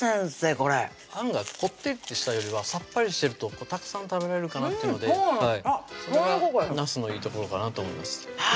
これあんがこってりとしたよりはさっぱりしてるとたくさん食べられるかなっていうのでそれがなすのいいところかなと思います